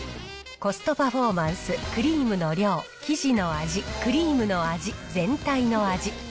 コストパフォーマンス、クリームの量、生地の味、クリームの味、全体の味。